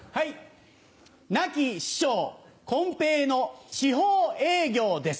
亡き師匠こん平の地方営業です。